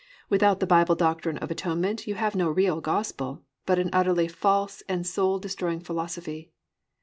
Without the Bible Doctrine of the Atonement you have no real gospel, but an utterly false and soul destroying philosophy.